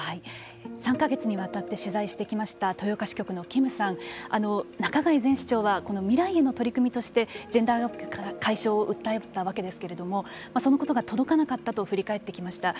３か月にわたって取材してきました豊岡支局の金さん中貝前市長は未来への取り組みとしてジェンダーギャップ解消を訴えたわけですけれどもそのことが届かなかったと振り返っていました。